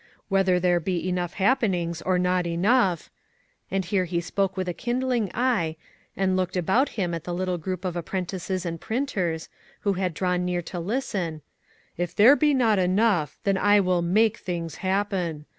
Whether there be enough happenings or not enough," and here he spoke with a kindling eye and looked about him at the little group of apprentices and printers, who had drawn near to listen, "if there be not enough, then will I MAKE THINGS HAPPEN.